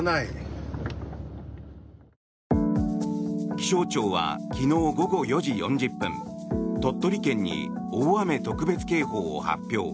気象庁は昨日午後４時４０分鳥取県に大雨特別警報を発表。